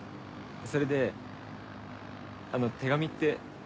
それであの手紙って。